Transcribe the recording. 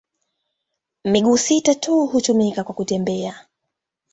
Miguu sita tu hutumika kwa kutembea.